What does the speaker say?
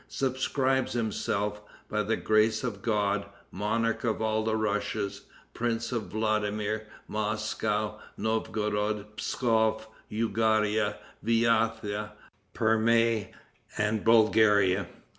subscribes himself, "by the grace of God, monarch of all the Russias, prince of Vladimir, Moscow, Novgorod, Pskof, Yougra, Viatha, Perme and Bulgaria."